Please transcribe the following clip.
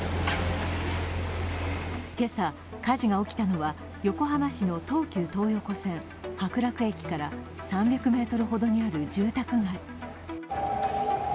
今朝、火事が起きたのは横浜市の東急東横線・白楽駅から３００ｍほどにある住宅街。